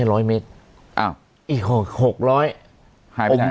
๕กระทรรมก็คือ๔๐๐มิตรอีก๖๐๐